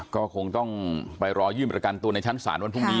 ก็คงต้องไปรอยื่นประกันตัวในชั้นศาลวันพรุ่งนี้